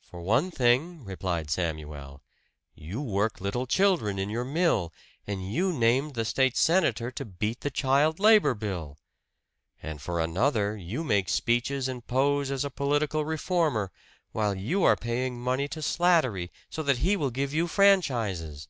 "For one thing," replied Samuel, "you work little children in your mill, and you named the State senator to beat the child labor bill. And for another, you make speeches and pose as a political reformer, while you are paying money to Slattery, so that he will give you franchises."